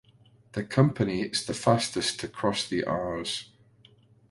The company is the fastest to cross the Rs.